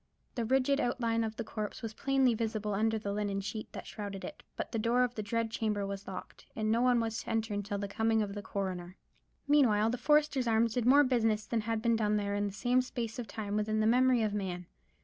The rigid outline of the corpse was plainly visible under the linen sheet that shrouded it; but the door of the dread chamber was locked, and no one was to enter until the coming of the coroner. Meanwhile the Foresters' Arms did more business than had been done there in the same space of time within the memory of man.